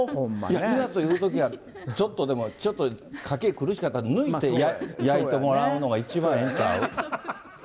いざというときは、ちょっとでも、ちょっと家計苦しかったら、抜いて焼いてもらうのが一番ええんちゃう？